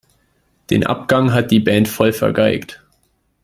Den Abgang hat die Band voll vergeigt.